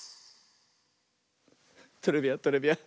トレビアントレビアン。